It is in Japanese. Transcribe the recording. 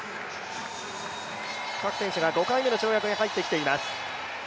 各選手が５回目の跳躍に入ってきています。